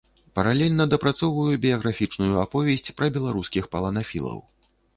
Паралельна дапрацоўваю біяграфічную аповесць пра беларускіх паланафілаў.